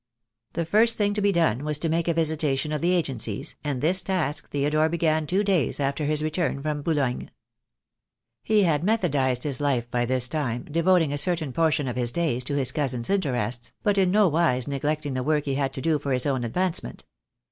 The first thing to be done was to make a visitation of the agencies, and this task Theodore began two days after his return from Boulogne. He had methodized his life by this time, devoting a certain portion of his days to his cousin's interests, but in no wise neglecting the work he had to do for his own advancement.